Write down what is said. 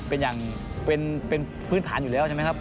เป็นอย่างเป็นพื้นฐานอยู่แล้วใช่ไหมครับ